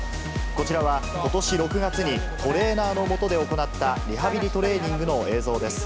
こちらは、ことし６月にトレーナーの下で行ったリハビリトレーニングの映像です。